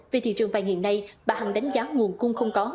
về thị trường vàng hiện nay bà hằng đánh giá nguồn cung không có